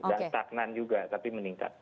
dan stagnan juga tapi meningkat